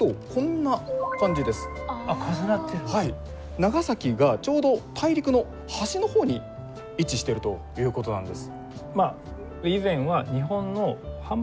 長崎がちょうど大陸の端の方に位置しているということなんです。